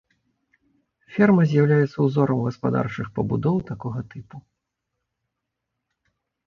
Ферма з'яўляецца ўзорам гаспадарчых пабудоў такога тыпу.